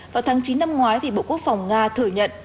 vào tháng chín năm ngoái bộ quốc phòng nga thừa nhận